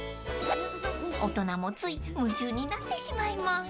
［大人もつい夢中になってしまいます］